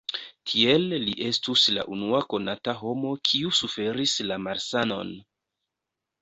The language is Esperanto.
Tiel li estus la unua konata homo kiu suferis la malsanon.